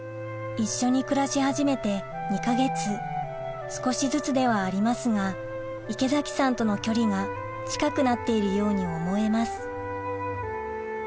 一緒に暮らし始めて２か月少しずつではありますが池崎さんとの距離が近くなっているように思えます